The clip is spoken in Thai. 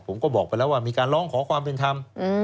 ผมก็บอกไปแล้วว่ามีการร้องขอความเป็นธรรม